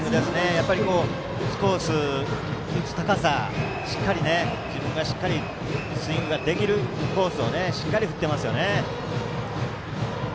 やはり打つコース、高さ自分がしっかりスイングできるコースをしっかり振っていますね。